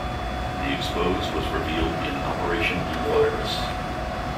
The Expose was revealed in 'Operation Blue Virus'